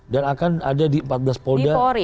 dan akan ada di empat belas polda